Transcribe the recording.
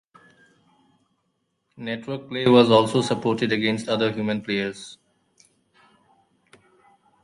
Network play was also supported against other human players.